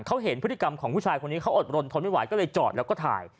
เขาเห็นพฤติกรรมของผู้ชายคนนี้เขาอดรนทนไม่ไหวก็เลยจอดแล้วก็ถ่าย